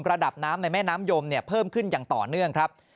ระดับน้ำในแม่น้ำยมเพิ่มขึ้นอย่างต่อเนื่องครับ